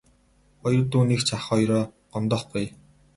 Хоёр дүү нь эгч ах хоёроо гомдоохгүй ээ.